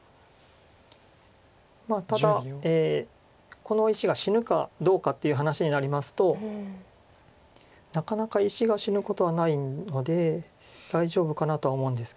ただこの石が死ぬかどうかっていう話になりますとなかなか石が死ぬことはないので大丈夫かなとは思うんですけど。